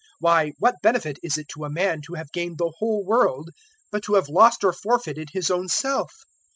009:025 Why, what benefit is it to a man to have gained the whole world, but to have lost or forfeited his own self.